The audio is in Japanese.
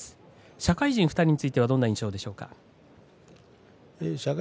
社会人２人についてはどんな印象ですか。